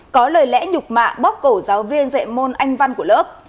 có lời lẽ nhục mạ bó bóc cổ giáo viên dạy môn anh văn của lớp